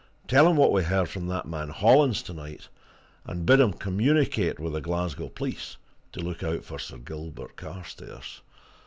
Tell him what we heard from that man Hollins tonight, and bid him communicate with the Glasgow police to look out for Sir Gilbert Carstairs.